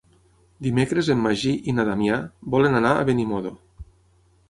Dimecres en Magí i na Damià volen anar a Benimodo.